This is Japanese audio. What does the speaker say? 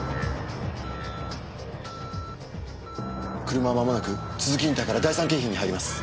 車はまもなく都筑インターから第三京浜に入ります。